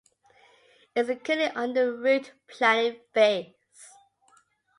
It is currently under route planning phase.